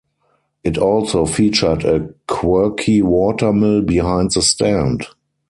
It also featured a quirky watermill behind the stand.